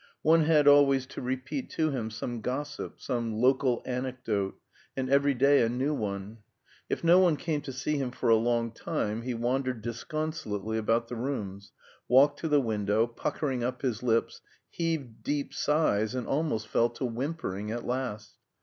One had always to repeat to him some gossip, some local anecdote, and every day a new one. If no one came to see him for a long time he wandered disconsolately about the rooms, walked to the window, puckering up his lips, heaved deep sighs, and almost fell to whimpering at last.